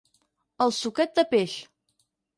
«El Suquet de Peix».